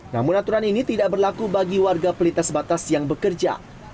namun aturan ini tidak berlaku bagi warga pelintas batas yang bekerja